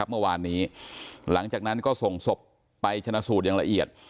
เมื่อวานนี้หลังจากนั้นก็ส่งศพไปชนะสูตรอย่างละเอียด